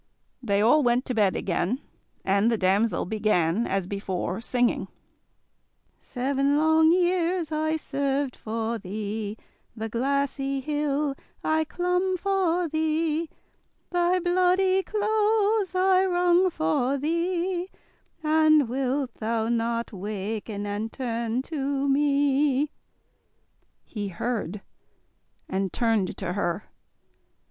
They all went to bed again, and the damsel began, as before, singing: "Seven long years I served for thee, The glassy hill I clomb for thee, Thy bloody clothes I wrang for thee; And wilt thou not waken and turn to me?" He heard, and turned to her.